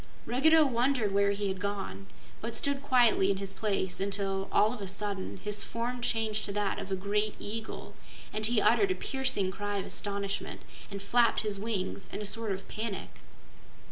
Ruggedo wondered where he had gone, but stood quietly in his place until, all of a sudden, his form changed to that of a great eagle, and he uttered a piercing cry of astonishment and flapped his wings in a sort of panic.